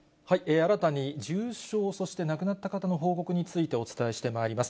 新たに重症、そして亡くなった方の報告について、お伝えしてまいります。